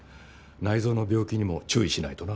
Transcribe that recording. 内臓の病気にも注意しないとな。